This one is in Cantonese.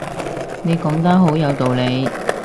你講得好有道理